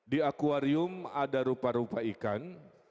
di akwarium ada rupa rupa ikan